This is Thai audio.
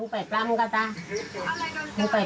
ภันเบชว่าเลย